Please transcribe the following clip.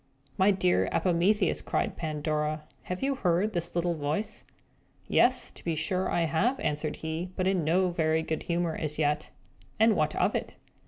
"My dear Epimetheus," cried Pandora, "have you heard this little voice?" "Yes, to be sure I have," answered he, but in no very good humour as yet. "And what of it?"